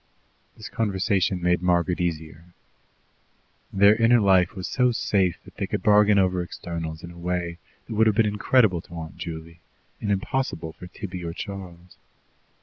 This conversation made Margaret easier. Their inner life was so safe that they could bargain over externals in a way that would have been incredible to Aunt Juley, and impossible for Tibby or Charles.